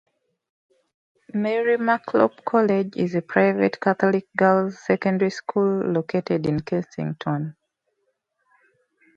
Mary MacKillop College is a private Catholic girls secondary school located in Kensington.